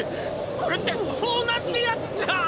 これってそうなんてやつじゃあ。